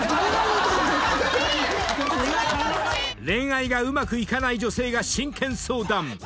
［恋愛がうまくいかない女性が真剣相談。